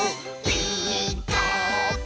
「ピーカーブ！」